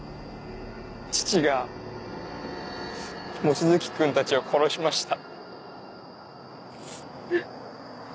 父が望月君たちを殺しました。